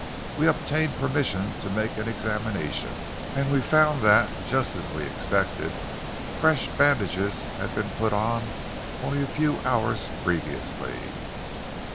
We obtained permission to make an examination, and we found that, just as we expected, fresh bandages had been put on only a few hours previously."